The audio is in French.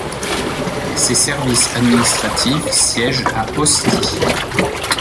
Ses services administratifs siègent à Ostie.